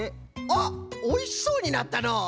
あっおいしそうになったのう。